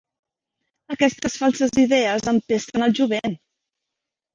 Aquestes falses idees empesten el jovent!